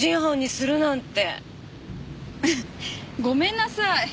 ごめんなさい。